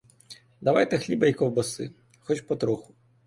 Давайте хліба й ковбаси, хоч потроху.